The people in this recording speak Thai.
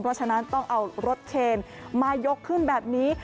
เพราะฉะนั้นต้องเอารถเคนมายกขึ้นแบบนี้